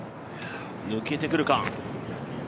抜けてくるか。